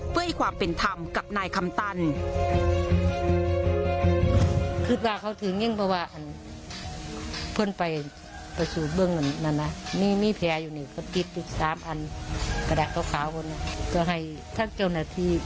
เพื่อให้ความเป็นธรรมกับนายคำตัน